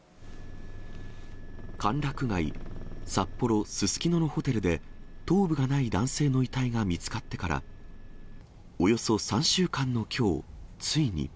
歓楽街、札幌・すすきののホテルで、頭部がない男性の遺体が見つかってから、およそ３週間のきょう、ついに。